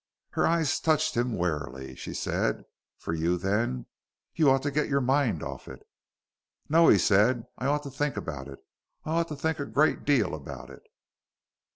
Her eyes touched him warily. She said, "For you then? You ought to get your mind off it." "No," he said. "I ought to think about it. I ought to think a great deal about it."